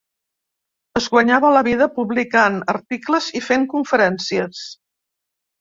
Es guanyava la vida publicant articles i fent conferències.